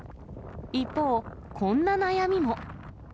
一方、こんな悩みも。